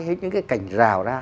hay những cái cành rào ra